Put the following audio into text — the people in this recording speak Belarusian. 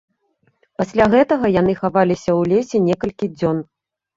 Пасля гэтага яны хаваліся ў лесе некалькі дзён.